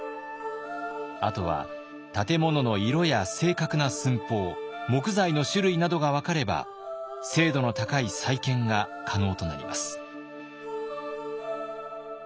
あとは建物の色や正確な寸法木材の種類などが分かれば精度の高い再建が可能となります。